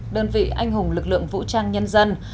đơn vị anh hùng lực lượng vũ trang nhân dân